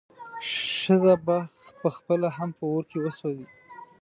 ښځه به پخپله هم په اور کې وسوځي.